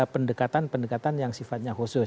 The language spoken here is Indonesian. pendekatan pendekatan yang sifatnya khusus